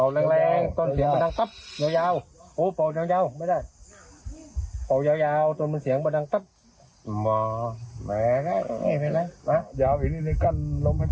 นี่แหละฮะท่านเป่าหรือดูดนะ